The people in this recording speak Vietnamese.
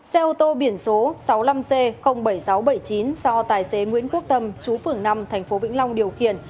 xe ô tô biển số sáu mươi năm c bảy nghìn sáu trăm bảy mươi chín do tài xế nguyễn quốc tâm chú phường năm tp vĩnh long điều khiển